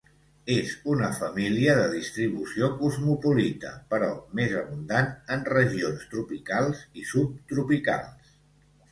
És una família de distribució cosmopolita però més abundant en regions tropicals i subtropicals.